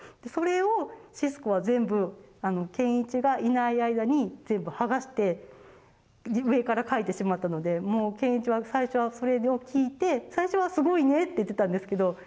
それをシスコは全部賢一がいない間に全部剥がして上から描いてしまったのでもう賢一は最初はそれを聞いて最初は「すごいね」って言ってたんですけど